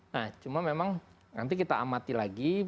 nah cuma memang nanti kita amati lagi